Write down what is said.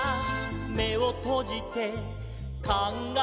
「めをとじてかんがえる」